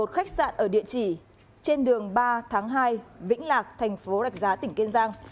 khách sạn ở địa chỉ trên đường ba tháng hai vĩnh lạc thành phố đặc giá tỉnh kênh giang